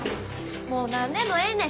もう何でもええねん。